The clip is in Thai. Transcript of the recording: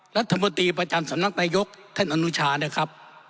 รัฐมนตรีประจำสำนักนายกท่านอนุชานะครับ